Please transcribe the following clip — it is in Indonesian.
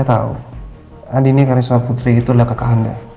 saya tahu andini karisma putri itu adalah kakak anda